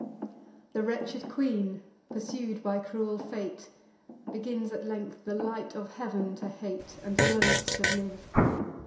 The wretched queen, pursued by cruel fate, Begins at length the light of heav'n to hate, And loathes to live.